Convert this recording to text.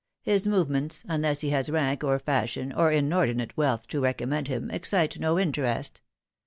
His movements unless he has rank or fashion or inordinate wealth to recommend him excite no interest.